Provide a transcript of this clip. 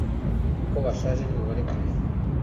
kuko bashaje nimubarekure